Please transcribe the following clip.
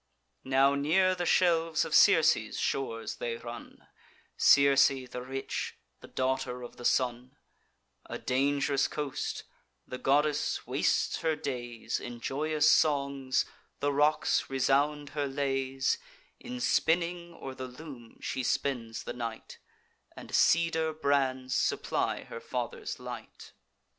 Now near the shelves of Circe's shores they run, (Circe the rich, the daughter of the Sun,) A dang'rous coast: the goddess wastes her days In joyous songs; the rocks resound her lays: In spinning, or the loom, she spends the night, And cedar brands supply her father's light.